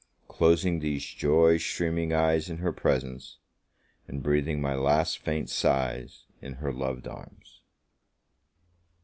closing these joy streaming eyes in her presence, and breathing my last faint sighs in her loved arms!